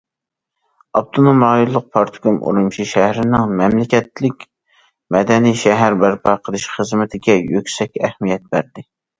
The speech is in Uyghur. ئاپتونوم رايونلۇق پارتكوم ئۈرۈمچى شەھىرىنىڭ مەملىكەتلىك مەدەنىي شەھەر بەرپا قىلىش خىزمىتىگە يۈكسەك ئەھمىيەت بەردى.